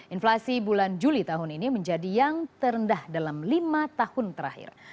inflasi bulan juli tahun ini menjadi yang terendah dalam lima tahun terakhir